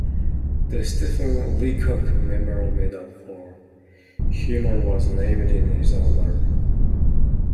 The Stephen Leacock Memorial Medal for Humour was named in his honour.